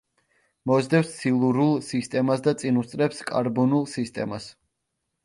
მოსდევს სილურულ სისტემას და წინ უსწრებს კარბონულ სისტემას.